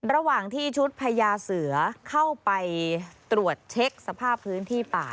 ระหว่างที่ชุดพญาเสือเข้าไปตรวจเช็คสภาพพื้นที่ป่า